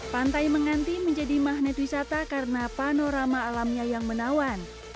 pantai menganti menjadi magnet wisata karena panorama alamnya yang menawan